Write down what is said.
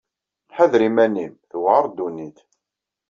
Ḥader iman-im. Tuɛaṛ ddunit.